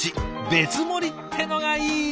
別盛りってのがいいですよね。